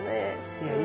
いやいい。